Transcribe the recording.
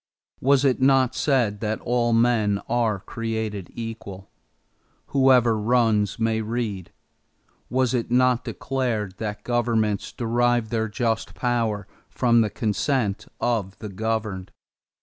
Was it not said that all men are created equal? Whoever runs may read. Was it not declared that governments derive their just power from the consent of the governed?